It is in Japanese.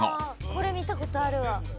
これ、見たことあるわ。